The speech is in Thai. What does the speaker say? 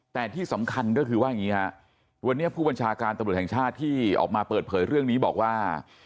แต่ที่สำคัญก็คือว่าอย่างนี้ฮะวันนี้ผู้บัญชาการตำรวจแห่งชาติที่ออกมาเปิดเผยเรื่องนี้บอกว่า